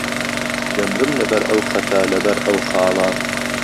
دهمرم له بهر ئەو خهته له بهر ئەو خاڵه